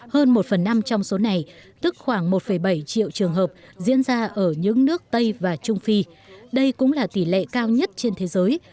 hơn một phần năm trong số này tức khoảng một bảy triệu trường hợp diễn ra ở những nước tây và trung phi đây cũng là tỷ lệ cao nhất trên thế giới